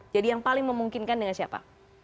jadi yang paling memungkinkan dengan siapa